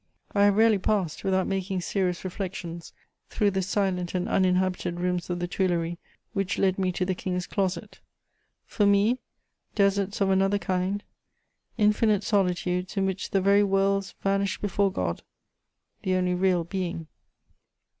I have rarely passed, without making serious reflexions, through the silent and uninhabited rooms of the Tuileries which led me to the King's closet: for me, deserts of another kind, infinite solitudes in which the very worlds vanished before God, the only real Being.